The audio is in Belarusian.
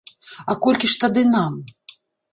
А колькі ж тады нам?